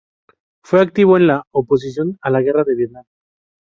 Fue activo en la oposición a la Guerra de Vietnam.